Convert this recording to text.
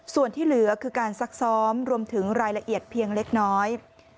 ส่วนที่เหลือคือการซักซ้อมรวมถึงรายละเอียดเพียงเล็กน้อย